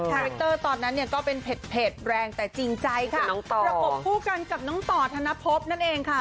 แรคเตอร์ตอนนั้นเนี่ยก็เป็นเผ็ดแรงแต่จริงใจค่ะประกบคู่กันกับน้องต่อธนภพนั่นเองค่ะ